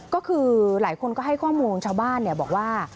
ก็คือหลายคนก็ให้ข้อมูลชาวบ้านบอกว่า